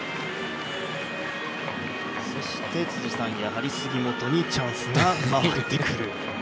そして、やはり杉本にチャンスが回ってくる。